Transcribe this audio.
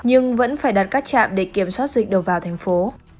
nhưng vẫn phải đặt các trạm để kiểm soát dịch đầu vào thành phố